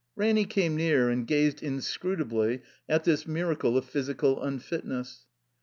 Ranny came near and gazed inscrutably at this miracle of physical unfitness.